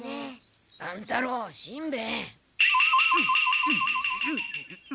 乱太郎しんべヱ。